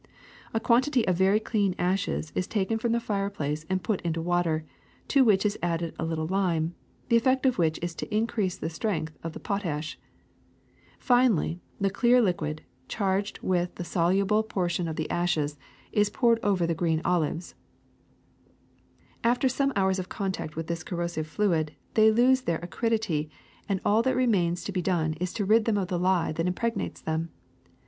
A quantity of very clean ashes is taken from the fireplace and put into water, to which is added a little lime, the effect of which is to increase the strength of the potash. Finally the clear liquid, charged with the soluble ^10 THE SECRET OF EVERYDAY THINGS portion of the ashes, is poured over the green olives. After some hours of contact with this corrosive fluid they lose their acridity, and all that remains to be done is to rid them of the lye that impregnates them.